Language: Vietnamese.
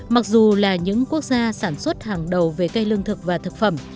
mặc dù là những quốc gia sản xuất hàng đầu về cây lương thực và thực phẩm